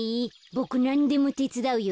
ボクなんでもてつだうよ。